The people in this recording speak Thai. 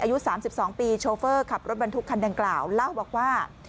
อายุ๓๒ปีโชเฟอร์ขับรถบรรทุกคันดังกล่าวเล่าบอกว่า